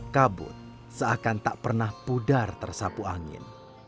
kabut seakan tak pernah pudar tersapu angin